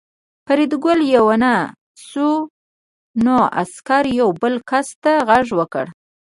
فریدګل پوه نه شو نو عسکر یو بل کس ته غږ وکړ